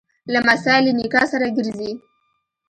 لمسی له نیکه سره ګرځي.